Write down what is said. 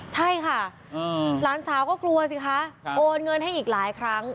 ใช่ค่ะหลานสาวก็กลัวสิคะโอนเงินให้อีกหลายครั้ง